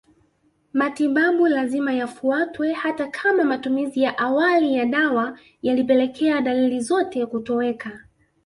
Matibabu lazima yafuatwe hata kama matumizi ya awali ya dawa yalipelekea dalili zote kutoweka